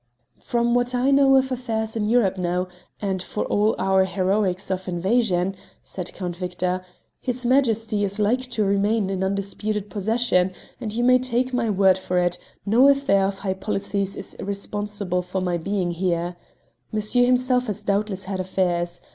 "From what I know of affairs in Europe now, and for all our heroics of invasion," said Count Victor, "his Majesty is like to remain in undisputed possession, and you may take my word for it, no affair of high politics is responsible for my being here. Monsieur himself has doubtless had affairs.